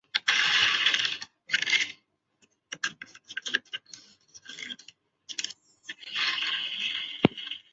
氨纶用在一般衣服上的成分百分比较小。